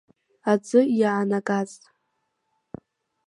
Аӡы иаанагаз…